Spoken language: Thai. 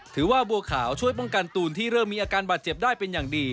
ถือว่าบัวขาวช่วยป้องกันตูนที่เริ่มมีอาการบาดเจ็บได้เป็นอย่างดี